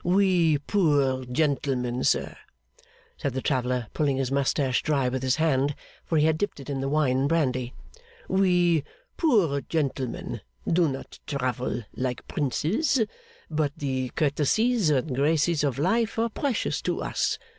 'We poor gentlemen, sir,' said the traveller, pulling his moustache dry with his hand, for he had dipped it in the wine and brandy; 'we poor gentlemen do not travel like princes, but the courtesies and graces of life are precious to us.